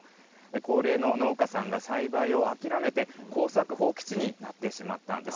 高齢の農家さんが栽培を諦めて、耕作放棄地になってしまったんです。